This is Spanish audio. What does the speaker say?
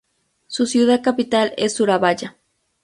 Su ciudad capital es Surabaya.